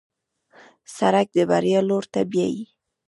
سړک د بریا لور ته بیایي.